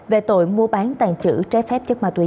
về tội mua bán tàng trữ trái phép chất ma túy